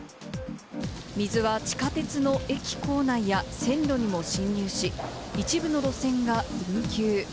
水は地下鉄の駅構内や線路にも侵入し、一部の路線が運休。